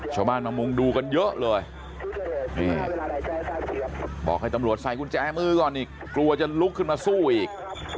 ชาวบ้านมามุงดูกันเยอะเลยนี่บอกให้ตำรวจใส่กุญแจมือก่อนอีกกลัวจะลุกขึ้นมาสู้อีก